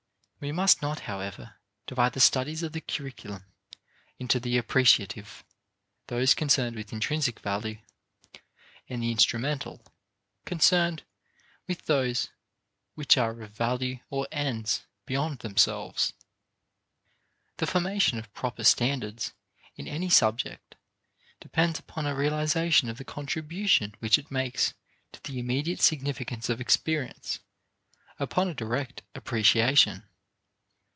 We must not, however, divide the studies of the curriculum into the appreciative, those concerned with intrinsic value, and the instrumental, concerned with those which are of value or ends beyond themselves. The formation of proper standards in any subject depends upon a realization of the contribution which it makes to the immediate significance of experience, upon a direct appreciation.